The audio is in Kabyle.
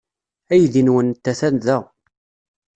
Aydi-nwent atan da.